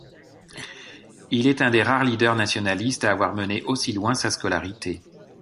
Il est un des rares leaders nationalistes à avoir mené aussi loin sa scolarité.